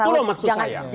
itu loh maksud saya